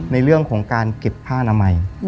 ในเรื่องของการเก็บผ้านามัย